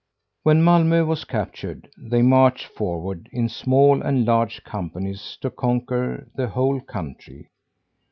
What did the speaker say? When Malmö was captured, they marched forward in small and large companies to conquer the whole country.